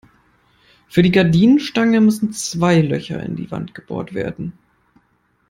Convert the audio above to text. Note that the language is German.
Für die Gardinenstange müssen zwei Löcher in die Wand gebohrt werden.